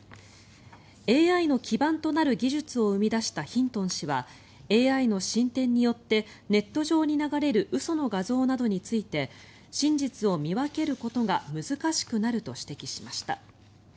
ＡＩの基盤となる技術を生み出したヒントン氏はＡＩの進展によってネット上に流れる嘘の画像などについて真実を見分けることが難しくなると指摘しました。